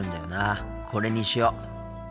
これにしよう。